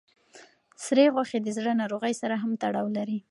سرې غوښې د زړه ناروغۍ سره هم تړاو لري.